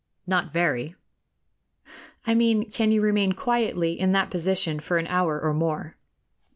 "Not very." "I mean, can you remain quietly in that position for an hour or more?"